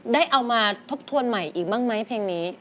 ได้เอามาทบทวนใหม่อีกบ้างไหมเพลงนี้